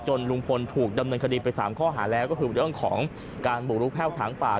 ลุงพลถูกดำเนินคดีไป๓ข้อหาแล้วก็คือเรื่องของการบุกรุกแพ่วถางป่า